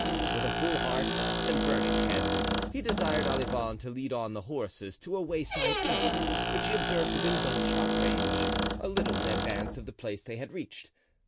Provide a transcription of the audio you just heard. With a full heart and burning head he desired Olivain to lead on the horses to a wayside inn, which he observed within gunshot range, a little in advance of the place they had reached.